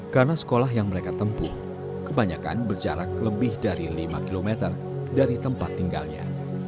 karena sekolah yang mereka tempuh kebanyakan berjarak lebih dari lima km dari tempat tinggalnya